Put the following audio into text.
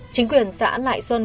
chính quyền xã lại xuân